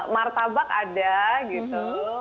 martabak ada gitu